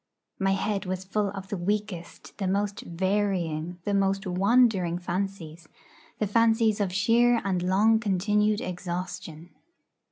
My head was full of the weakest, the most varying, the most wandering fancies the fancies of sheer and long continued exhaustion.